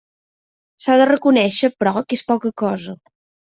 S'ha de reconéixer, però, que és poca cosa.